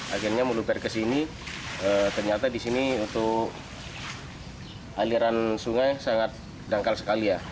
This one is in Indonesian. akhirnya melubar ke sini ternyata di sini untuk aliran sungai sangat dangkal sekali ya